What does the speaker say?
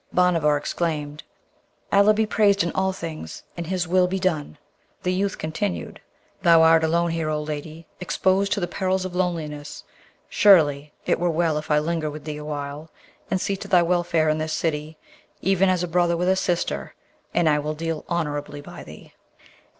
Bhanavar exclaimed, 'Allah be praised in all things, and his will be done!' The youth continued, 'Thou art alone here, O lady, exposed to the perils of loneliness; surely it were well if I linger with thee awhile, and see to thy welfare in this city, even as a brother with a sister; and I will deal honourably by thee.'